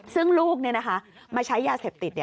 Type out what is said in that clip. ซึ่งลูกนี่นะคะมาใช้ยาเสพติด